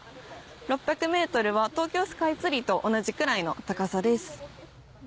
６００ｍは東京スカイツリーと同じくらいの高さです。